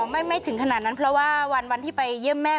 ไม่ถึงขนาดนั้นเพราะว่าวันที่ไปเยี่ยมแม่